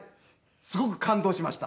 すごく感動しました